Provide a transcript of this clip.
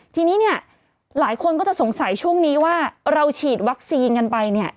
ทีนี้เนี่ยหลายคนก็จะสงสัยช่วงนี้ว่าเราฉีดวัคซีนกันไปเนี่ย